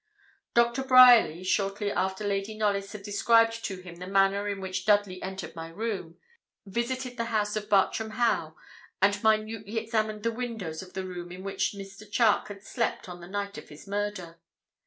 Doctor Bryerly, shortly after Lady Knollys had described to him the manner in which Dudley entered my room, visited the house of Bartram Haugh, and minutely examined the windows of the room in which Mr. Charke had slept on the night of his murder.